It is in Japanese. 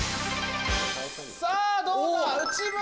さぁどうだ？